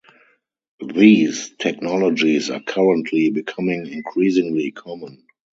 These technologies are currently becoming increasingly common.